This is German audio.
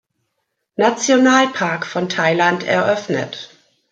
Nationalpark von Thailand eröffnet.